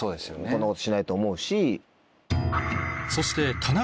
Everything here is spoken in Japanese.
こんなことしないと思うし。